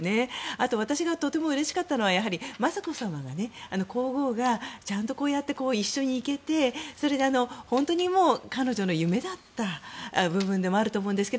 あと、私がとてもうれしかったのは雅子さまが、皇后さまがちゃんとこうやって一緒に行けてそれで、本当に彼女の夢だった部分でもあると思うんですが